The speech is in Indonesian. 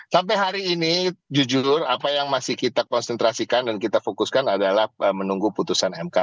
sampai hari ini jujur apa yang masih kita konsentrasikan dan kita fokuskan adalah menunggu putusan mk